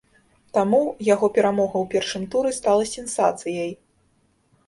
Таму, яго перамога ў першым туры стала сенсацыяй.